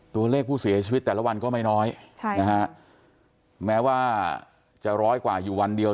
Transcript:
ตัวเลขผู้เสียชีวิตแต่ละวันก็ไม่น้อยใช่นะฮะแม้ว่าจะร้อยกว่าอยู่วันเดียว